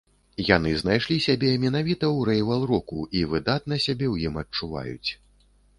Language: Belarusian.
Яны знайшлі сябе менавіта ў рэвайвал-року і выдатна сябе ў ім адчуваюць.